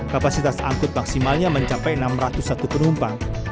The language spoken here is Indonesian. kapasitas angkut maksimalnya mencapai enam ratus satu penumpang